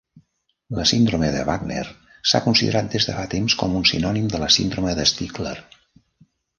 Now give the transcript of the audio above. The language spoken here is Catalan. La síndrome de Wagner s'ha considerat des de fa temps com un sinònim de la síndrome de Stickler.